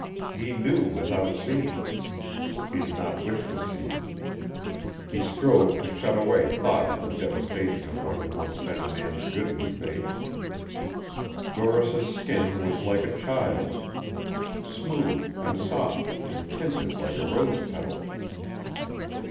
He knew without seeing. He did not wish to see. He strove to shut away thought of the devastation of what had once been a man's goodly face. Doris' skin was like a child's, smooth and soft and tinted like a rose petal.